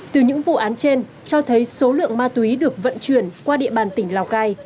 từ những vụ án trên cho thấy số lượng ma túy được vận chuyển qua địa bàn tỉnh lào cai